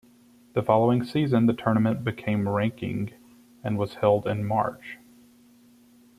The following season the tournament became ranking and was held in March.